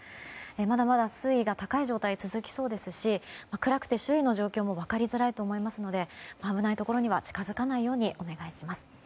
まだまだ水位が高い状態が続きそうですし暗くて周囲の状況も分かりづらいと思いますので危ないところには近づかないようにお願いします。